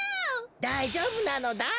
だいじょうぶなのだ！